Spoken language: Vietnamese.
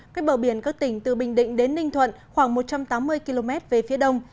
cách bờ biển các tỉnh từ bình định đến ninh thuận khoảng một trăm tám mươi km về phía đông